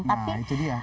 nah itu dia